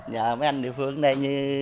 nhờ mấy anh địa phương ở đây